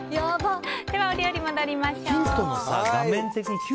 では、お料理に戻りましょう。